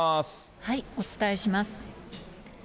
お伝えします。